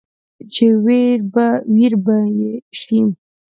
چې وېر به يې شي ،